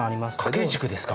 掛け軸ですか？